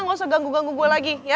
nggak usah ganggu ganggu gue lagi ya